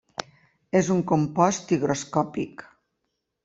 És un compost higroscòpic.